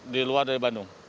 di luar dari bandung